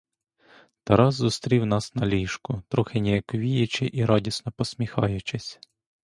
Тарас зустрів нас на ліжку, трохи ніяковіючи і радісно посміхаючись.